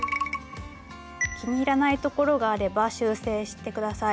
気に入らないところがあれば修正して下さい。